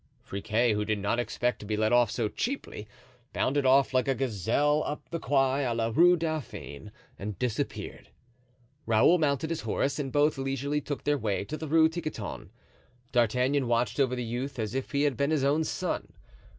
Friquet, who did not expect to be let off so cheaply, bounded off like a gazelle up the Quai a la Rue Dauphine, and disappeared. Raoul mounted his horse, and both leisurely took their way to the Rue Tiquetonne. D'Artagnan watched over the youth as if he had been his own son.